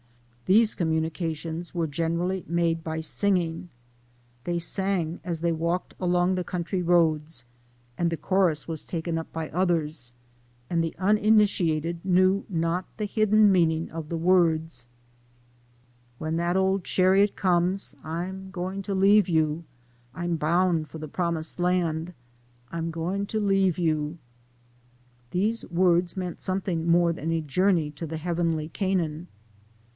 These communications were generally made by singing. They sang as they walked along the country roads, and the chorus was taken up by others, and the uninitiated knew not the hidden meaning of the words When clat ar ole chariot comes, I'm gwine tolebe you ; I'm boun' for de promised laud, I'm gwine to lebe you. These words meant something more than a jour ney to the Heavenly Canaan.